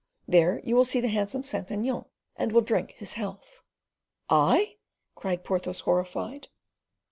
There you will see the handsome Saint Aignan, and will drink his health." "I?" cried Porthos, horrified.